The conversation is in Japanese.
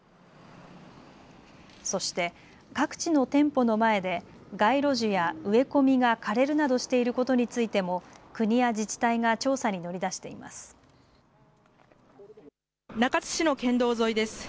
そして各地の店舗の前で街路樹や植え込みが枯れるなどしていることについても国や自治体が中津市の県道沿いです。